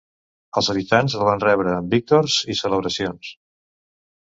Els habitants el van rebre amb víctors i celebracions.